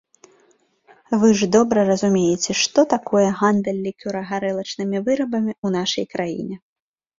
Вы ж добра разумееце, што такое гандаль лікёра-гарэлачнымі вырабамі ў нашай краіне.